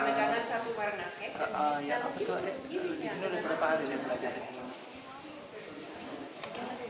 di sini udah berapa hari dia belajar